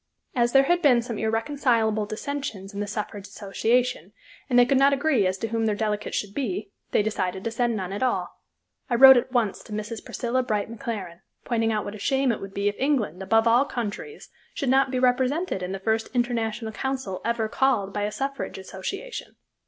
As there had been some irreconcilable dissensions in the suffrage association, and they could not agree as to whom their delegate should be, they decided to send none at all. I wrote at once to Mrs. Priscilla Bright McLaren, pointing out what a shame it would be if England, above all countries, should not be represented in the first International Council ever called by a suffrage association.